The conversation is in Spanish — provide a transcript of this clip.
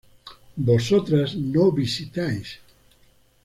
vosotras no visitáis